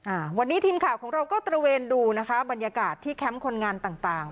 อ่าวันนี้ทีมข่าวของเราก็ตระเวนดูนะคะบรรยากาศที่แคมป์คนงานต่างต่าง